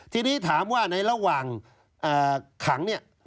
ทีนี้ถามว่าในระหว่างขังเนี่ย